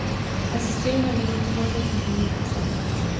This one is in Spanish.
Asistieron al evento más de quince mil personas.